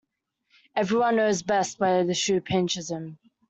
Every one knows best where the shoe pinches him.